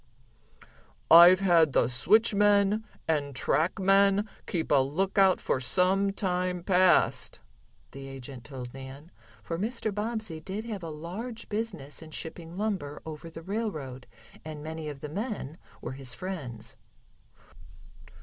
"I've had the switchmen and trackmen keep a lookout for some time past," the agent told Nan, for Mr. Bobbsey did a large business in shipping lumber over the railroad, and many of the men were his friends.